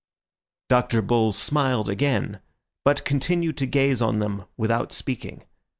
Dr. Bull smiled again, but continued to gaze on them without speaking.